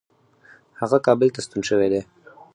هغه کابل ته ستون شوی دی.